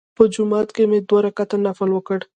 په جومات کې مې دوه رکعته نفل وکړل.